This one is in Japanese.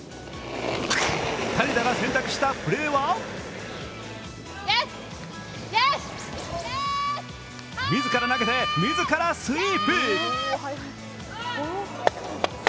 谷田が選択したプレーは自ら投げて、自らスイープ。